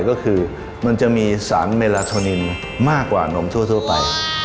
ก็คือมันจะมีสารเมลาโทนินมากกว่านมทั่วไป